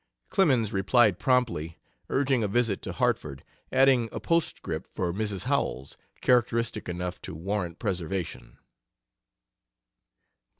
Clemens replied promptly, urging a visit to Hartford, adding a postscript for Mrs. Howells, characteristic enough to warrant preservation.